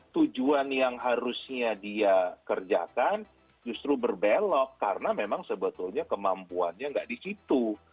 tujuan yang harusnya dia kerjakan justru berbelok karena memang sebetulnya kemampuannya nggak di situ